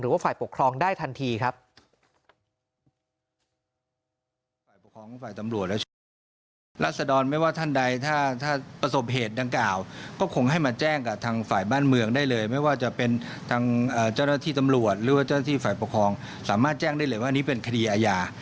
ว่าฝ่ายปกครองได้ทันทีครับ